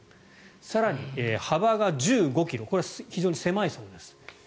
更に、幅が１５ｋｍこれは非常に狭いそうです。